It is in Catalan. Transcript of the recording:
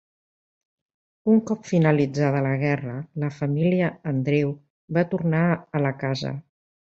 Un cop finalitzada la guerra la família Andreu va tornar a la casa.